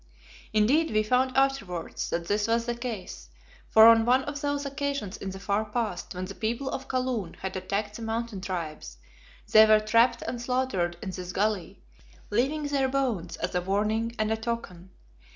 Indeed, we found afterwards that this was the case, for on one of those occasions in the far past when the people of Kaloon had attacked the Mountain tribes, they were trapped and slaughtered in this gully, leaving their bones as a warning and a token.